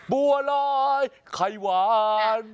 บัวลอยไข่หวาน